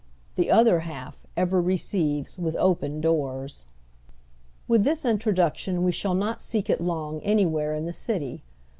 The Other Half ever receives with open doors. With this introduction we shall not seek it long any where in the city.